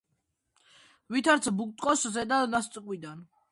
ვითარდება ბუტკოს ზედა ნასკვიდან.